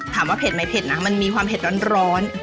เผ็ดไหมเผ็ดนะมันมีความเผ็ดร้อน